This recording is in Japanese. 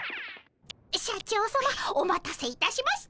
社長さまお待たせいたしました。